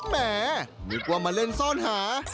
แหมนึกว่ามาเล่นซ่อนหา